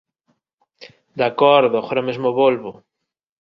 De acordo, agora mesmo volvo.